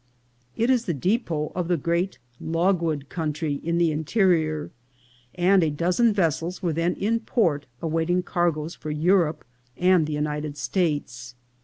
It is the depot of the, great logwood country in the interior, and a dozen vessels were then in port awaiting cargoes for Europe and the United States.